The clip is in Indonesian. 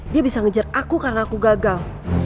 dia bisa ngejar aku karena aku gagal